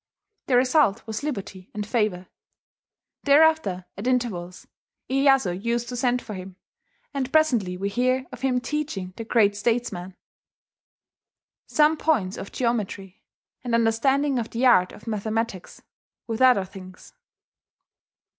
The result was liberty and favour. Thereafter, at intervals, Iyeyasu used to send for him; and presently we hear of him teaching the great statesman "some points of jeometry, and understanding of the art of mathematickes, with other things."